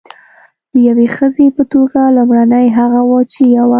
د یوې ښځې په توګه لومړنۍ هغه وه چې یوه.